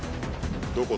どこ？